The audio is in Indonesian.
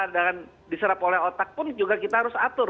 dan diserap oleh otak pun juga kita harus atur